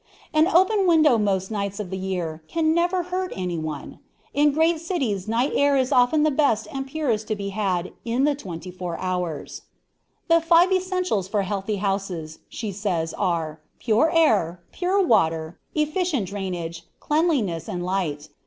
_ An open window most nights of the year can never hurt any one. In great cities night air is often the best and purest to be had in the twenty four hours. "The five essentials, for healthy houses," she says, are "pure air, pure water, efficient drainage, cleanliness, and light....